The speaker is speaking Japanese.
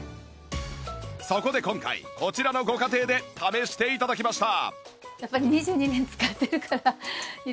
そこで今回こちらのご家庭で試して頂きました